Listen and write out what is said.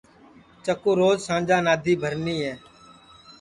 چکُو روج سانجا نادی بھرنی ہے